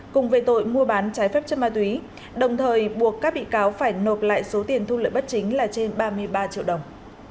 cùng về tội mua bán trái phép chất ma túy đồng thời buộc các bị cáo phải nộp lại số tiền thu lợi bất chính là trên ba mươi ba triệu đồng